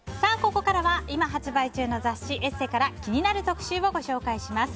ここからは今発売中の雑誌「ＥＳＳＥ」から気になる特集をご紹介します。